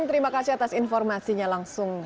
terima kasih atas informasinya langsung